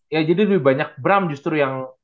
ya jadi lebih banyak bram justru yang